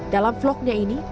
dalam vlognya ini